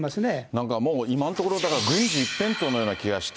なんかもう今のところ軍事一辺倒のような気がして。